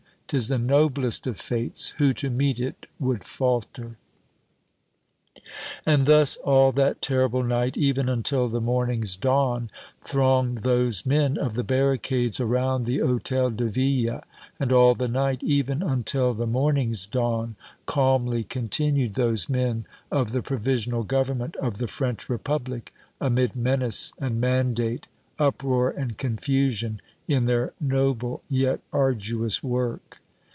'Tis the noblest of fates; who to meet it would falter! And thus all that terrible night, even until the morning's dawn, thronged those men of the barricades around the Hôtel de Ville, and all the night, even until the morning's dawn, calmly continued those men of the Provisional Government of the French Republic, amid menace and mandate, uproar and confusion, in their noble, yet arduous work.